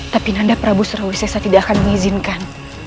tapi nanda prabu surawi sesa tidak akan mengizinkan